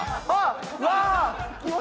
あっ！